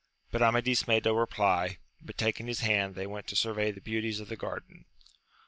But Amadis made no reply, but taking his hand, they went to survey the beauties of the garden.